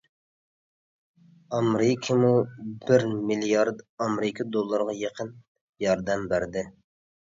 ئامېرىكىمۇ بىر مىليارد ئامېرىكا دوللىرىغا يېقىن ياردەم بەردى.